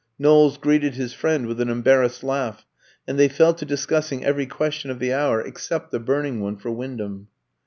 Knowles greeted his friend with an embarrassed laugh, and they fell to discussing every question of the hour except the burning one for Wyndham.